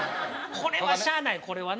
これはしゃあないこれはな。